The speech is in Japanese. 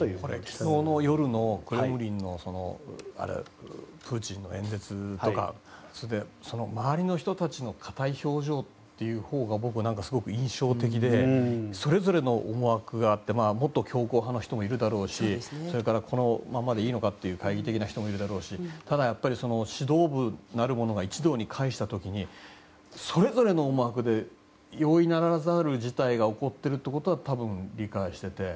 昨日の夜のプーチンの演説とか周りの人たちの硬い表情というほうが僕はすごい印象的でそれぞれの思惑があってもっと強硬派の人もいるだろうしそれからこのままでいいのかという懐疑的な人もいるだろうしただやっぱり指導部なるものが一堂に会したときにそれぞれの思惑で容易ならざる事態が起こってるというのは多分、理解していて。